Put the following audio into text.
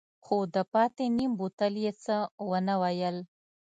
خو د پاتې نيم بوتل يې څه ونه ويل.